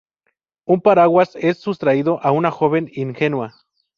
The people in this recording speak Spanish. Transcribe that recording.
Un paraguas es sustraído a una joven ingenua.